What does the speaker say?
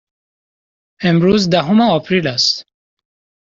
امروز دهم آپریل است.